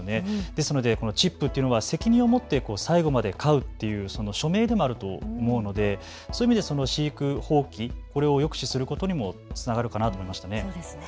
ですのでチップというのは責任を持って最期まで飼うという署名でもあると思うので、そういう意味で飼育放棄、これを抑止することにもつながるかなと思いました。